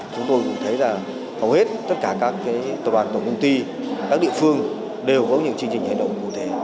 chúng tôi cũng thấy là hầu hết tất cả các tập đoàn tổng công ty các địa phương đều có những chương trình hành động cụ thể